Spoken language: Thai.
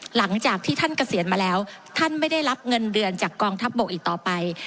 หลังจากที่ท่านเกษียณมาแล้วท่านไม่ได้รับเงินเดือนจากกองทัพบกอีกต่อไป